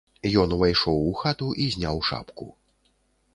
Ён увайшоў у хату і зняў шапку.